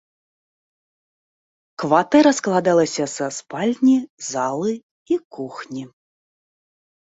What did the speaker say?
Кватэра складалася са спальні, залы і кухні.